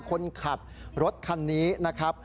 คนขับรถคันนี้นะครับ